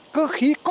cơ khí có còn